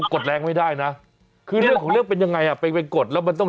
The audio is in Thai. กดแรงไม่ได้นะคือเรื่องของเรื่องเป็นยังไงอ่ะไปไปกดแล้วมันต้อง